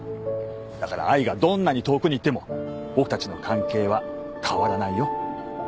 だから愛がどんなに遠くに行っても僕たちの関係は変わらないよ。